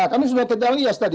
kami sudah tedalias tadi